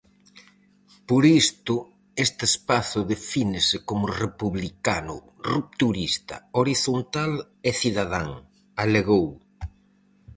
Por isto este espazo defínese como republicano, rupturista, horizontal e cidadán, alegou.